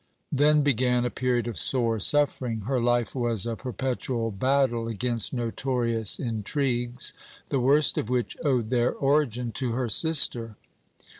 "Then began a period of sore suffering. Her life was a perpetual battle against notorious intrigues, the worst of which owed their origin to her sister.